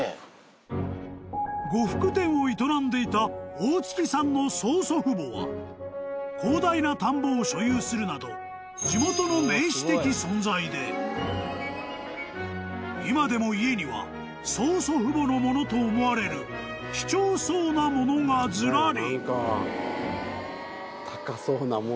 ［呉服店を営んでいた大槻さんの曽祖父母は広大な田んぼを所有するなど地元の名士的存在で今でも家には曽祖父母のものと思われる貴重そうなものがずらり］